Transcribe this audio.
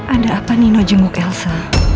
ada apa nino jemuk elsa